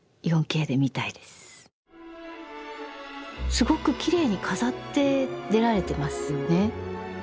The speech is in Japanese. すごくきれいに飾って出られてますよね。